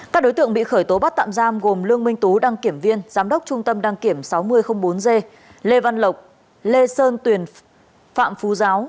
các đối tượng bị khởi tố bắt tạm giam gồm lương minh tú đăng kiểm viên giám đốc trung tâm đăng kiểm sáu mươi bốn g lê văn lộc lê sơn tuyền phạm phú giáo